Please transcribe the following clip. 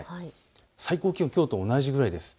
最高気温きょうと同じぐらいです。